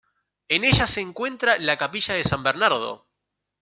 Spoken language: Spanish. En ella se encuentra la capilla de San Bernardo.